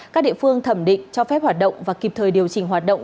các địa phương thẩm định cho phép hoạt động và kịp thời điều chỉnh hoạt động